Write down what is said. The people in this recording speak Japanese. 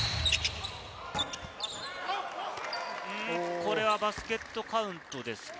これはバスケットカウントですか？